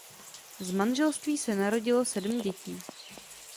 Z manželství se narodilo sedm dětí.